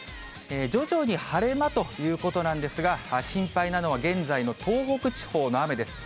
徐々に晴れ間ということなんですが、心配なのは現在の東北地方の雨です。